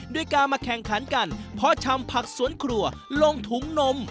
ด้วยการมาแข่งขันกันเพราะทำผักสวนครัวลงถุงนม